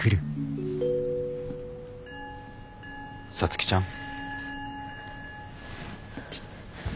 皐月ちゃん。